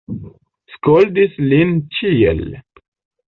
Skoldis lin ĉiel.